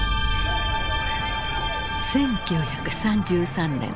１９３３年。